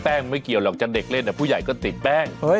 แป้งไม่เกี่ยวหรอกเจ้าเด็กเล่นแต่ผู้ใหญ่ก็ติดแป้ง